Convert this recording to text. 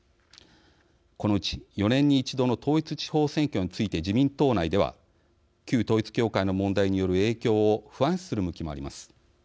このうち４年に一度の統一地方選挙について自民党内では旧統一教会の問題による影響を不安視する向きもあります。